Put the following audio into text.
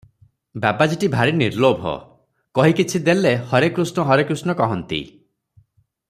ବାବାଜୀଟି ଭାରି ନିର୍ଲୋଭ, କହି କିଛି ଦେଲେ "ହରେ କୃଷ୍ଣ, ହରେ କୃଷ୍ଣ" କହନ୍ତି ।